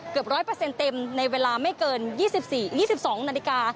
เกือบ๑๐๐เปอร์เซ็นต์เต็มในเวลาไม่เกิน๒๒นาฬิกา